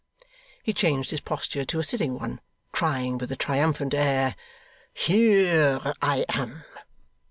He changed his posture to a sitting one, crying with a triumphant air: 'Here I am!